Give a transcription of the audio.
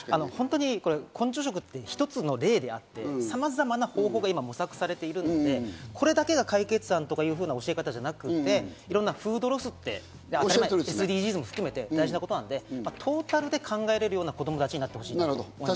ただ、昆虫食って一つの例であって、様々な方向が模索されているので、これだけが解決案という教え方じゃなくて、いろんなフードロスって、ＳＤＧｓも含めて大事なことなので、トータルで考えられるような子供たちになってほしいと思います。